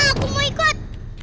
ya udah aku mau ikut